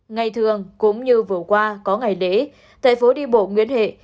ngày thường cũng như vừa qua có ngày lễ tại phố đi bộ nguyên hệ